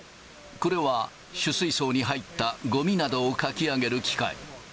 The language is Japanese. これは取水槽に入ったごみなどをかき上げる機械。